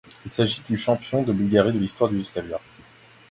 Il s'agit du de champion de Bulgarie de l'histoire du Slavia.